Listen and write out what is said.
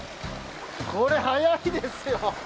これ速いですよ。